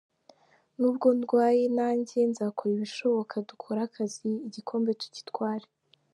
Nubwo ndwaye nanjye nzakora ibishoboka dukore akazi igikombe tugitware.